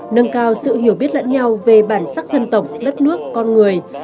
nâng cao sự hiểu biết lẫn nhau về bản sắc dân tộc đất nước con người